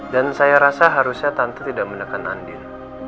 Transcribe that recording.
dan saya rasa harusnya tante tidak menekan andin